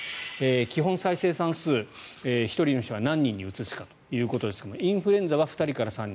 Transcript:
基本再生産数、１人の人が何人にうつすかということですがインフルエンザは２人から３人。